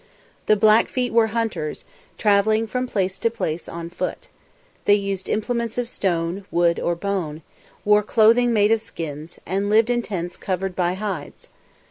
The Blackfeet were hunters, travelling from place to place on foot. They used implements of stone, wood, or bone, wore clothing made of skins, and lived in tents covered by hides.